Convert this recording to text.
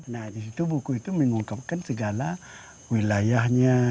nah di situ buku itu mengungkapkan segala wilayahnya